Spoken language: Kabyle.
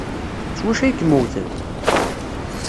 S wacu ay kem-wten?